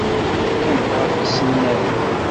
Teqqimeḍ ɣef yisennanen.